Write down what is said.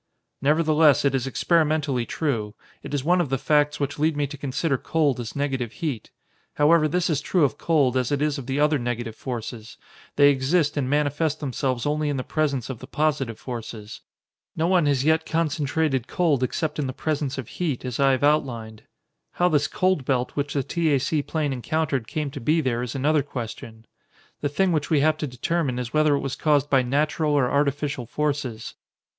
"Nevertheless, it is experimentally true. It is one of the facts which lead me to consider cold as negative heat. However, this is true of cold, as it is of the other negative forces; they exist and manifest themselves only in the presence of the positive forces. No one has yet concentrated cold except in the presence of heat, as I have outlined. How this cold belt which the T. A. C. plane encountered came to be there is another question. The thing which we have to determine is whether it was caused by natural or artificial forces."